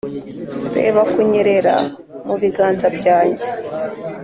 reba kunyerera mu biganza byanjye